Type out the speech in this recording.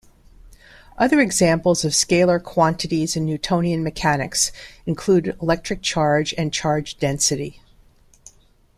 Other examples of scalar quantities in Newtonian mechanics include electric charge and charge density.